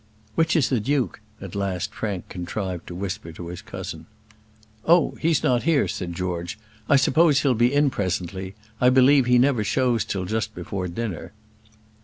"Which is the duke?" at last Frank contrived to whisper to his cousin. "Oh; he's not here," said George; "I suppose he'll be in presently. I believe he never shows till just before dinner."